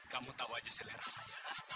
kamu tahu aja selera saya